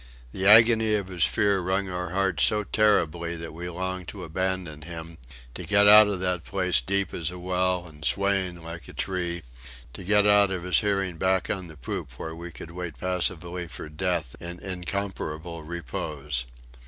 The agony of his fear wrung our hearts so terribly that we longed to abandon him, to get out of that place deep as a well and swaying like a tree, to get out of his hearing, back on the poop where we could wait passively for death in incomparable repose.